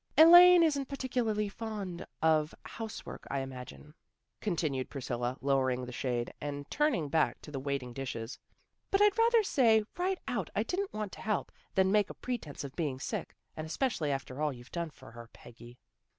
" Elaine isn't particularly fond of house work, I imagine," continued Priscilla, lowering the shade, and turning back to the waiting dishes. " But I'd rather say right out I didn't want to help, than make a pretence of being sick. And especially after all you've done for her, Peggy."